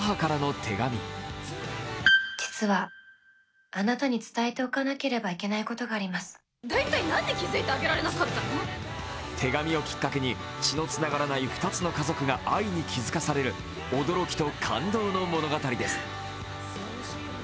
手紙をきっかけに血のつながらない２つの家族が愛に気付かされる驚きと感動の物語です。